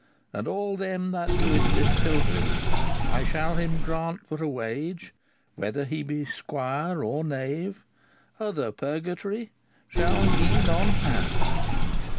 And alle tho that doth thys pylgrymage, I shalle hem graunt for her wage, Whether he be sqwyer or knave, Other purgatorye shalle he non have.'"